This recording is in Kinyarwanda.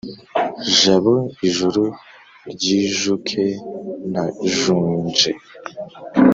Jabo ijuru ryijuke ntajunje